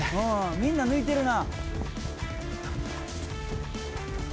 みんな抜いてるな。